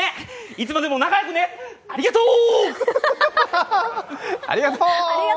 いつまでも仲よくね、ありがとう！